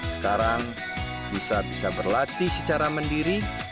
sekarang bisa bisa berlatih secara mandiri